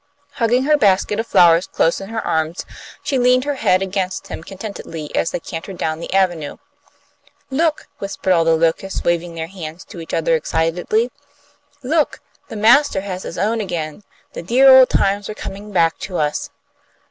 Hugging her basket of flowers close in her arms, she leaned her head against him contentedly as they cantered down the avenue. "Look!" whispered all the locusts, waving their hands to each other excitedly. "Look! The master has his own again. The dear old times are coming back to us."